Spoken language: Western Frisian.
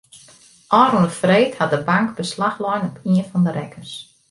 Ofrûne freed hat de bank beslach lein op ien fan de rekkens.